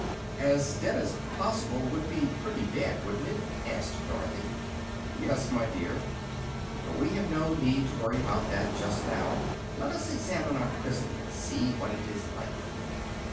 "As dead as poss'ble would be pretty dead, wouldn't it?" asked Dorothy. "Yes, my dear. But we have no need to worry about that just now. Let us examine our prison and see what it is like."